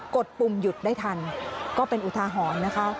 ดปุ่มหยุดได้ทันก็เป็นอุทาหรณ์นะคะ